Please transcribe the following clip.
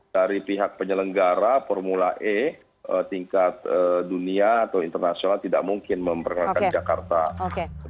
dari pihak penyelenggara formula e tingkat dunia atau internasional tidak mungkin memperkenalkan jakarta